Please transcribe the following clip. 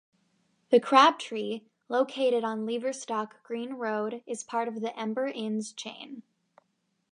The Crabtree, located on Leverstock Green Road, is part of the Ember Inns chain.